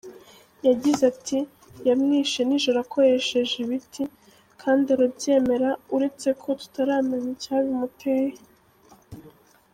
Yagize ati “Yamwishe nijoro akoresheje ibiti kandi arabyemera, uretse ko tutaramenya icyabimuteye.